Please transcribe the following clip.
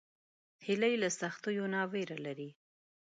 هیلۍ له سختیو نه نه ویره لري